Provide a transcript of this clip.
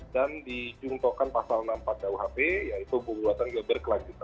dan dijungtokan pasal enam puluh empat uhb yaitu pembuatan geobatik